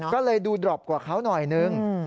ก็เลยดูดรอปกว่าเขาหน่อยนึง